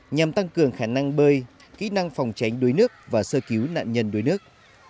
nhằm tăng cường khả năng bơi kỹ năng phòng tránh đuối nước và sơ cứu nạn nhân đuối nước